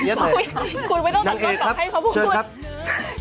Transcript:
คุณไม่ต้องตัดต้นต่อให้เขาพูด